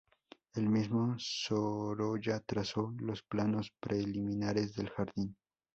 El mismo Sorolla trazó los planos preliminares del jardín.